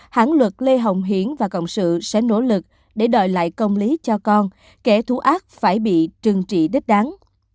hãng luật lê hồng hiển và cộng sự sẽ nỗ lực để đòi lại công lý cho con kẻ thú ác phải bị trừng trị đích đáng